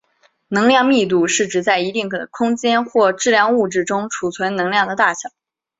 能量密度是指在一定的空间或质量物质中储存能量的大小。